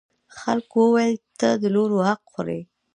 خلکو وویل چې ته د نورو حق خوري.